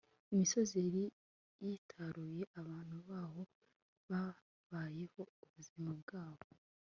imisozi yari yitaruye. abantu baho babayeho ubuzima bwabo